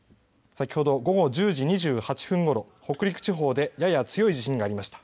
先ほど午後１０時２８分ごろ北陸地方で、やや強い地震がありました。